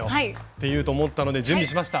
ていうと思ったので準備しました。